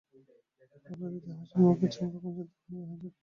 পাগলাদিদিও হাসেন, মুখের চামড়া কুঞ্চিত হইয়া হাজার রেখার সৃষ্টি হইয়া যায়!